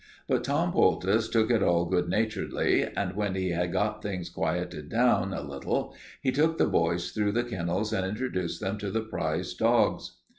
But Tom Poultice took it all good naturedly, and when he had got things quieted down a little he took the boys through the kennels and introduced them to the prize dogs.